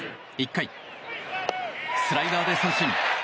１回、スライダーで三振。